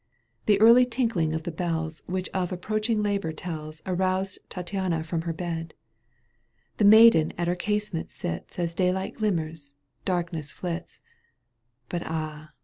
The early tinkling of the bells Which of approaching labour telb Aroused Tattiana from her bed. The maiden at her casement sits As daylight glimmers, darkness flits, But ah